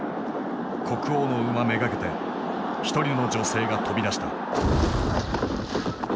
国王の馬目がけて１人の女性が飛び出した。